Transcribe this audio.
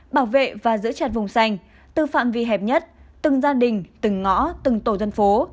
bảo vệ và giữ chặt vùng xanh từ phạm vi hẹp nhất từng gia đình từng ngõ từng tổ dân phố